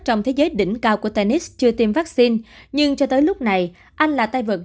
trong thế giới đỉnh cao của tennis chưa tiêm vaccine nhưng cho tới lúc này anh là tay vật